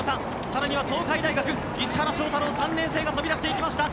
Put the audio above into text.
更には東海大学、石原翔太郎３年生が飛び出していきました。